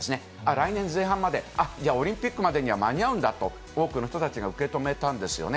来年前半まで、あっ、じゃあ、オリンピックまでには間に合うんだと、多くの人たちが受け止めたんですよね。